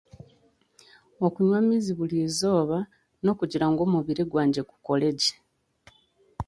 Okunywa amaizi burizooba n'okugira ngu omubiri gwangye gukore gye.